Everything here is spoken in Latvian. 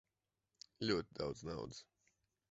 Ļoti daudz naudas.